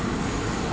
ya di sana